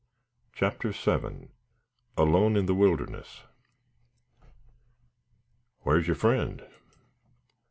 CHAPTER VII. ALONE IN THE WILDERNESS. "Where's your friend?"